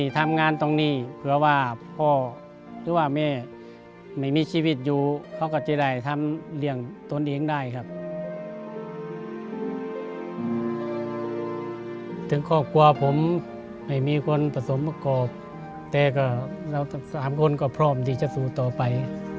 ถึงครอบครัวผมไม่มีคนผสมประกอบแต่ก็เราทั้ง๓คนก็พร้อมที่จะสู้ต่อไป